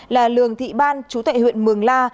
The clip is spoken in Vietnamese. là lường thị ban chú thệ huyện mường la